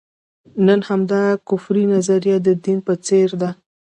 نن همدا کفري نظریه د دین په څېر ده.